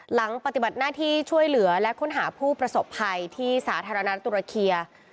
หลังปฏิบัติหน้าที่ช่วยเหลือและค้นหาผู้ประสบภัยที่สาธารณตุรเคีย